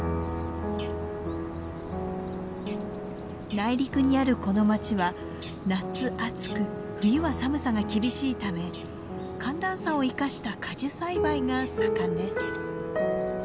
内陸にあるこの町は夏暑く冬は寒さが厳しいため寒暖差を生かした果樹栽培が盛んです。